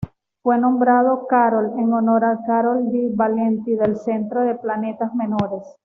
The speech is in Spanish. Fue nombrado Carol en honor a Carol D. Valenti, del Centro de Planetas Menores.